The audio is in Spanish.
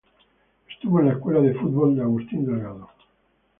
Estuvo en la escuela de fútbol de Agustín Delgado.